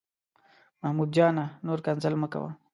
محمود جانه، نور کنځل مه کوه.